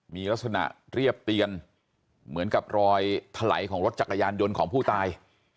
มีลักษณะเรียบเตียนเหมือนกับรอยถลายของรถจักรยานยนต์ของผู้ตาย